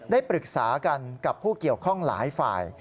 ได้ปรึกษากันกับผู้เกี่ยวข้องหลายฝ่าย